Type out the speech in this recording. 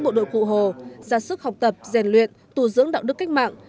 bộ đội cụ hồ ra sức học tập rèn luyện tù dưỡng đạo đức cách mạng